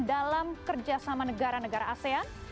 dalam kerjasama negara negara asean